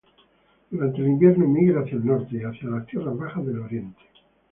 Durante el invierno migra hacia el norte y hacia las tierras bajas del oriente.